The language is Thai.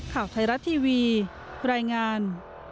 ข่าวไทยรัฐทีวีรายงาน